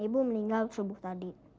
ibu meninggal subuh tadi